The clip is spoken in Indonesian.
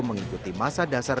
mengikuti masa dasar